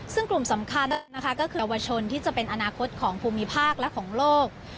ซึ่งกลุ่มสำคัญนะคะก็คือเยาวชนที่จะเป็นอนาคตของภูมิภาคและของโลก